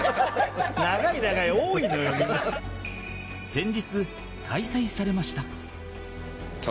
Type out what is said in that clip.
先日開催されました